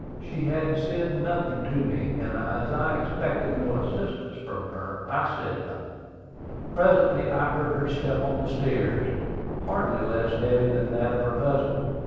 She said nothing to me; and as I expected no assistance from her, I said nothing. Presently I heard her step on the stairs, hardly less heavy than that of her husband.